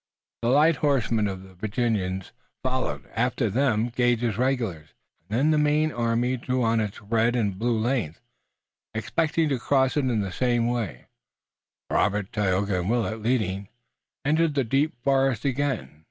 The light horsemen of Virginia followed, after them Gage's regulars and then the main army drew on its red and blue length, expecting to cross in the same way. Robert, Tayoga and Willet, leading, entered the deep forest again.